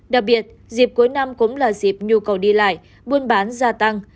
đặc biệt dịp cuối năm cũng là dịp nhu cầu đi lại buôn bán gia tăng